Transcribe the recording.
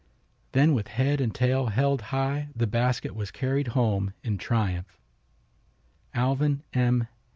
Then with head and tail held high the basket was carried home in triumph. Alvin M.